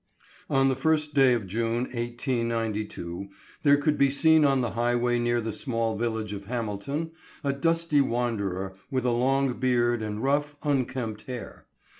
ON the first day of June, 1892, there could be seen on the highway near the small village of Hamilton, a dusty wanderer with a long beard and rough, unkempt hair.